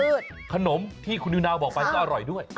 คือขนมที่คุณนิวนาวบอกไปก็อร่อยด้วย